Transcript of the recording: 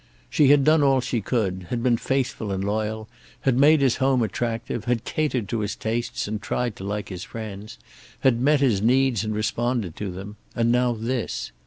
She had done all she could, had been faithful and loyal, had made his home attractive, had catered to his tastes and tried to like his friends, had met his needs and responded to them. And now, this.